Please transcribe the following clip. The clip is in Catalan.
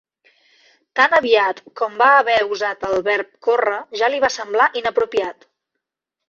Tan aviat com va haver usat el verb córrer ja li va semblar inapropiat.